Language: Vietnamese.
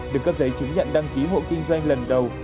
được cấp giấy chứng nhận đăng ký hộ kinh doanh lần đầu